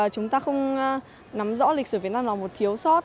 chúng ta không nắm rõ lịch sử việt nam là một thiếu sót